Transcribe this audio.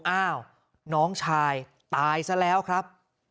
อ้าวน้องชายตายซะแล้วครับ